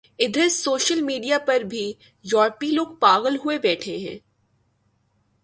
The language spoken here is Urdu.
ادھر سوشل میڈیا پر بھی ، یورپی لوگ پاغل ہوئے بیٹھے ہیں ۔